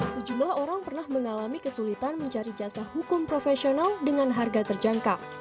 sejumlah orang pernah mengalami kesulitan mencari jasa hukum profesional dengan harga terjangkau